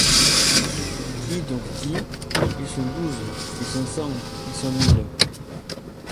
Qui donc dit : Ils sont douze, ils sont cent, ils sont mille ;